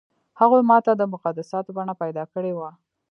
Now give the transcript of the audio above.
هغو ماته د مقدساتو بڼه پیدا کړې وه.